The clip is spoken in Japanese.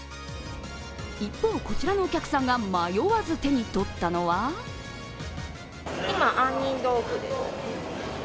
一方、こちらのお客さんが迷わず手にとったのは今、杏仁豆腐ですね。